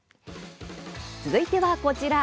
続いては、こちら。